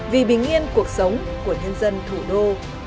vì bình yên cuộc sống của nhân dân thủ đô